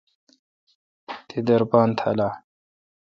تی دربان تھال آ؟